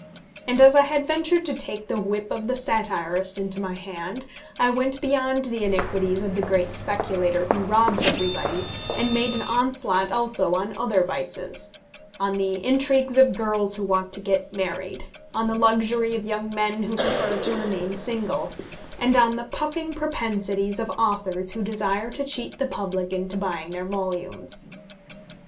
And as I had ventured to take the whip of the satirist into my hand, I went beyond the iniquities of the great speculator who robs everybody, and made an onslaught also on other vices, on the intrigues of girls who want to get married, on the luxury of young men who prefer to remain single, and on the puffing propensities of authors who desire to cheat the public into buying their volumes.